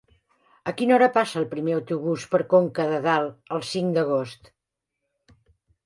A quina hora passa el primer autobús per Conca de Dalt el cinc d'agost?